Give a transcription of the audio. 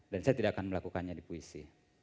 dan saya tidak akan melakukannya di puisi